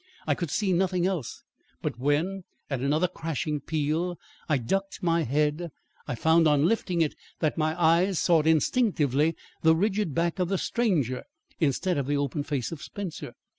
I could see nothing else; but, when at another crashing peal I ducked my head, I found on lifting it that my eyes sought instinctively the rigid back of the stranger instead of the open face of Spencer.